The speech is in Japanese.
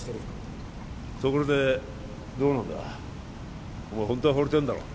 ところでどうなんだ？